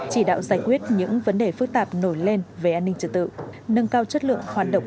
chỉ đạo giải quyết những vấn đề phức tạp nổi lên về an ninh trật tự nâng cao chất lượng hoạt động